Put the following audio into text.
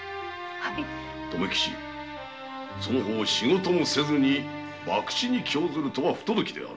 留吉その方仕事もせずにバクチに興ずるとは不届きである。